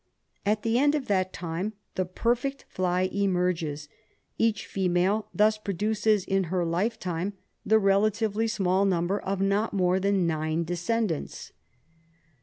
At the end of that time the perfect fly emerges. Each female thus produces in her lifetime the relatively small number of not more than nine descendants.